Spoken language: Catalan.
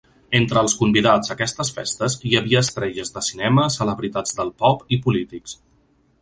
Entre els convidats a aquestes festes hi havia estrelles de cinema, celebritats del pop i polítics.